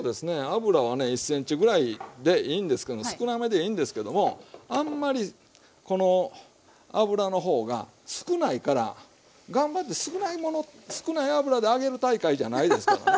油はね１ｃｍぐらいでいいんですけど少なめでいいんですけどもあんまりこの油の方が少ないから頑張って少ない油で揚げる大会じゃないですから。